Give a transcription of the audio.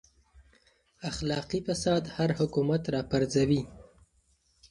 اخلاقي فساد هر حکومت راپرځوي.